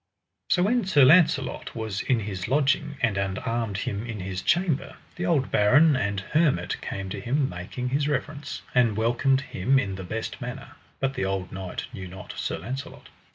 So when Sir Launcelot was in his lodging, and unarmed him in his chamber, the old baron and hermit came to him making his reverence, and welcomed him in the best manner; but the old knight knew not Sir Launcelot.